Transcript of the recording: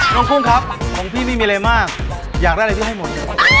กุ้งครับของพี่ไม่มีอะไรมากอยากได้อะไรพี่ให้หมด